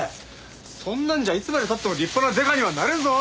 そんなんじゃいつまでたっても立派なデカにはなれんぞ！